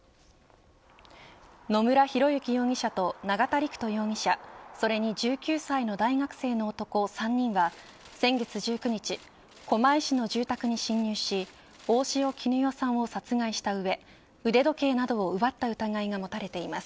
野村広之容疑者と永田陸人容疑者それに１９歳の大学生の男３人は先月１９日狛江市の住宅に侵入し大塩衣与さんを殺害した上腕時計などを奪った疑いが持たれています。